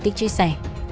tích chia sẻ